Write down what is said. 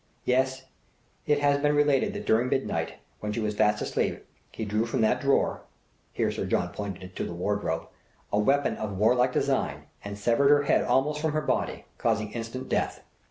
Yes, it has been related that during midnight, when she was fast asleep, he drew from that drawer" here Sir John pointed to the wardrobe, "a weapon of warlike design, and severed her head almost from her body, causing instant death.